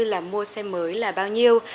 là mua xe mới là bao nhiêu